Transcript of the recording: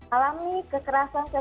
alami kekerasan sesuai